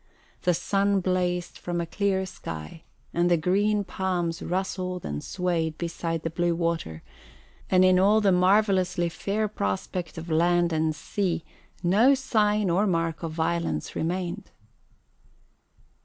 The sun blazed from a clear sky, and the green palms rustled and swayed beside the blue water, and in all the marvelously fair prospect of land and sea no sign or mark of violence remained.